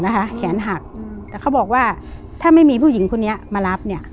แต่เขาบอกว่าถ้าไม่มีผู้หญิงคนนี้มารับ